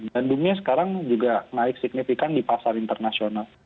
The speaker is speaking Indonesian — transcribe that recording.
dunia sekarang juga naik signifikan di pasar internasional